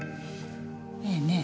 ねえねえ